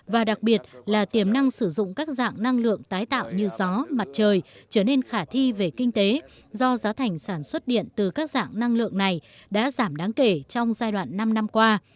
và đặc biệt là tiềm năng sử dụng các dạng năng lượng tái tạo như gió mặt trời trở nên khả thi về kinh tế do giá thành sản xuất điện từ các dạng năng lượng này đã giảm đáng kể trong giai đoạn năm năm qua